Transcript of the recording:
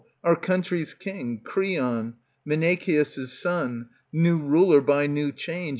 our country's king, Creon, Menoekeus' son, New ruler, by new change.